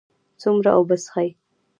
څومره اوبه څښئ؟